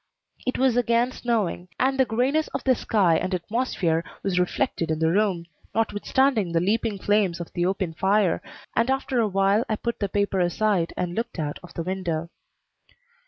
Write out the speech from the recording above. It was again snowing, and the grayness of the sky and atmosphere was reflected in the room, notwithstanding the leaping flames of the open fire, and after a while I put the paper aside and looked out of the window.